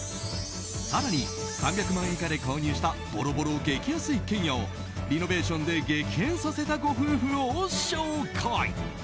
更に、３００万円以下で購入したボロボロ激安一軒家をリノベーションで激変させたご夫婦を紹介。